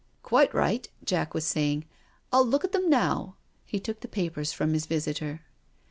" Quite right," Jack was saying, " I'll look at them now." He took the papers from his visitor.